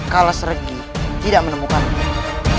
kalau seregi tidak menemukan rakyat